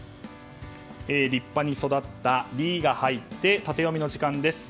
立派に育った、「リ」が入ってタテヨミの時間です。